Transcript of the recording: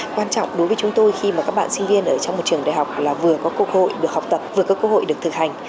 quan trọng đối với chúng tôi khi mà các bạn sinh viên ở trong một trường đại học là vừa có cơ hội được học tập vừa có cơ hội được thực hành